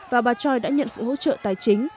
và bà choi đã nhận sự hỗ trợ tài chính